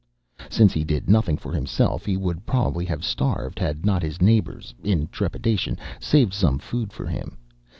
Since he did nothing for himself, he would probably have starved had not his neighbours, in trepidation, saved some food for him.